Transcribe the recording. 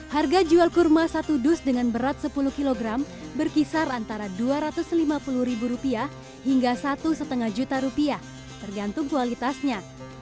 harga jual kurma satu dus dengan berat sepuluh kg berkisar antara dua ratus lima puluh ribu rupiah hingga satu lima juta rupiah tergantung kualitasnya